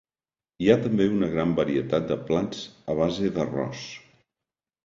Hi ha també una gran varietat de plats a base d'arròs.